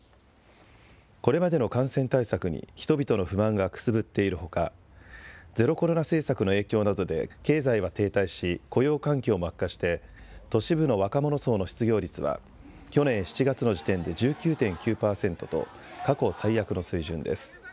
これまでの感染対策に、人々の不満がくすぶっているほか、ゼロコロナ政策の影響などで経済は停滞し、雇用環境も悪化して、都市部の若者層の失業率は、去年７月の時点で１９．９％と、過去最悪の水準です。